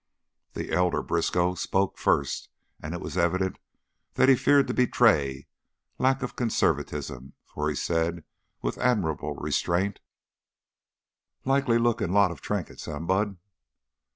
The elder Briskow spoke first, and it was evident that he feared to betray lack of conservatism, for he said, with admirable restraint: "Likely lookin' lot of trinkets, eh, Bud?"